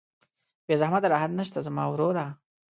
بې زحمته راحت نسته زما وروره